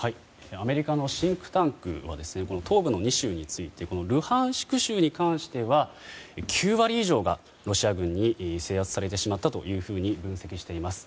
アメリカのシンクタンクは東部の２州についてルハンシク州に関しては９割以上がロシア軍に制圧されてしまったというふうに分析しています。